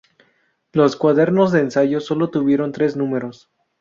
Los cuadernos de ensayo sólo tuvieron tres números.